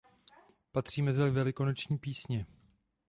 Patří mezi velikonoční písně.